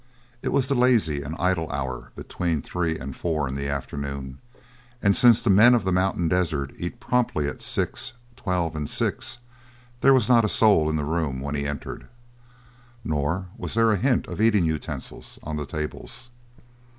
It was the lazy and idle hour between three and four in the afternoon, and since the men of the mountain desert eat promptly at six, twelve, and six, there was not a soul in the room when he entered. Nor was there a hint of eating utensils on the tables.